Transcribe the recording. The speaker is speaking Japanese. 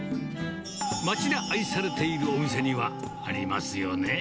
町で愛されているお店には、ありますよね。